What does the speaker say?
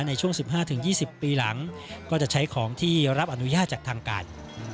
ในช่วง๑๕๒๐ปีหลังก็จะใช้ของที่รับอนุญาตจากทางการ